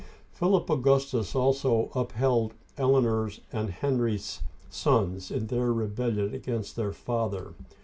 Philip Augustus also upheld Eleanor and Henry II.'s sons in their rebellion against their father.